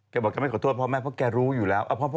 บอกแกไม่ขอโทษพ่อแม่เพราะแกรู้อยู่แล้ว